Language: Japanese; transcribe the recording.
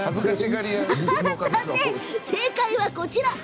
正解は、こちら。